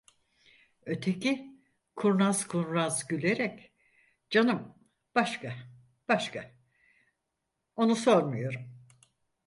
Öteki, kurnaz kurnaz gülerek: "Canım başka, başka… Onu sormuyorum."